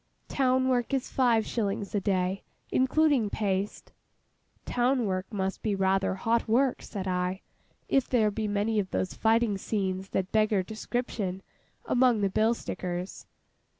Town work is five shillings a day, including paste.' 'Town work must be rather hot work,' said I, 'if there be many of those fighting scenes that beggar description, among the bill stickers?